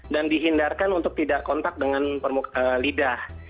dan dihindarkan untuk tidak kontak dengan lidah